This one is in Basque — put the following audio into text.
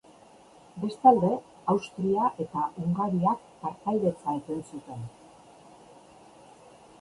Bestalde, Austria eta Hungariak partaidetza eten zuten.